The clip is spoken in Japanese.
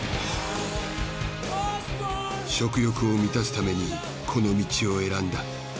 食欲を満たすためにこの道を選んだ。